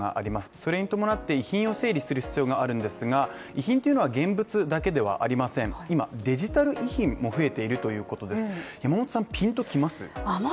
それに伴って遺品を整理する必要があるんですが遺品というのは現物だけではありません今、デジタル遺品も増えているということです